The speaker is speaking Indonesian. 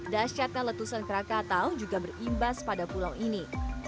dasyatnya letusan krakatau juga berimbas pada pulau ini